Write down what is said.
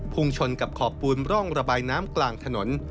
ชนกับขอบปูนร่องระบายน้ำกลางถนน